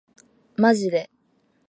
マジで